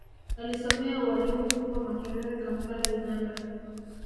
Alisomea ualimu huko Makerere Kampala Uganda